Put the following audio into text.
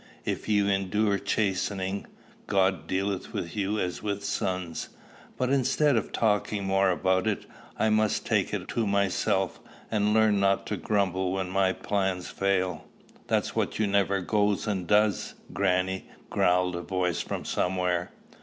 If ye endure chastening, God dealeth with you as with sons.' But instead of talking more about it, I must take it to myself; and learn not to grumble when my plans fail." "That's what you never goes and does, grannie," growled a voice from somewhere.